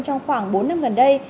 trong khoảng bốn năm gần đây